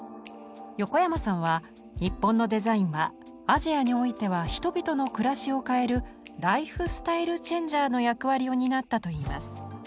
横山さんは日本のデザインはアジアにおいては人々の暮らしを変える「ライフスタイル・チェンジャー」の役割を担ったといいます。